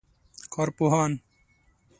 کارپوهان